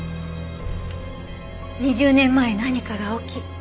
２０年前何かが起き